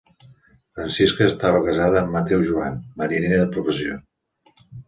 Francisca estava casada amb Mateu Joan, mariner de professió.